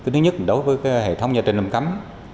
thứ nhất đối với hệ thống gia trình âm cấm